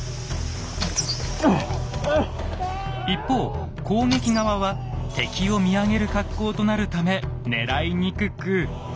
一方攻撃側は敵を見上げる格好となるため狙いにくく。